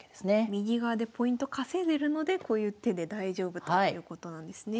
右側でポイント稼いでるのでこういう手で大丈夫ということなんですね。